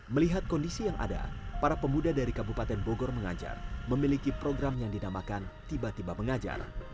melihat kondisi yang ada para pemuda dari kabupaten bogor mengajar memiliki program yang dinamakan tiba tiba mengajar